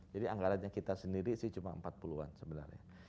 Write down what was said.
jadi anggarannya kita sendiri sih cuma empat puluh an sebenarnya